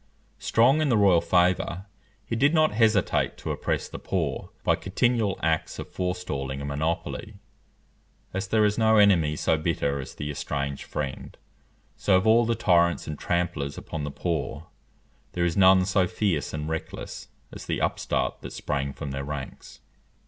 Strong in the royal favour, he did not hesitate to oppress the poor by continual acts of forestalling and monopoly. As there is no enemy so bitter as the estranged friend, so of all the tyrants and tramplers upon the poor, there is none so fierce and reckless as the upstart that sprang from their ranks.